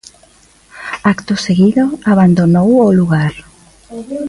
Acto seguido, abandonou o lugar.